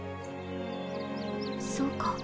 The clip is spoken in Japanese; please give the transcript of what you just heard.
そうか。